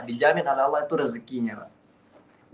dijamin oleh allah itu rezekinya pak